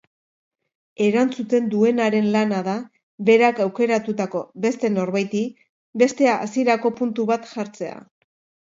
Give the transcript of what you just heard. Erantzuten duenaren lana da berak aukeratutako beste norbaiti beste hasierako puntu bat jartzea.